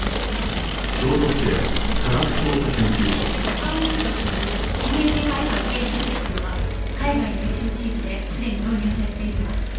顔認証による指名手配犯検知システムは海外の一部地域ですでに導入されているわ。